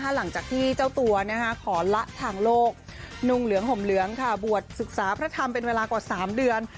หลังจากที่เจ้าตัวขอละทางโลกนุ่งเหลืองห่มเหลืองบวชศึกษาพระธรรมเป็นเวลากว่า๓เดือน